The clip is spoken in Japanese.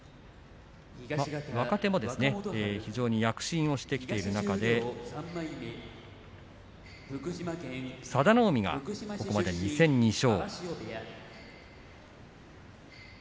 若手も躍進している中で佐田の海がここまで２戦２勝。